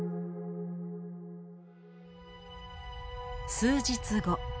数日後。